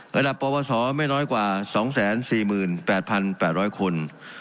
ระดับปวสไม่น้อยกว่า๒๔๘๘๐๐คน